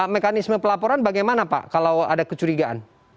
mekanisme pelaporan bagaimana pak kalau ada kecurigaan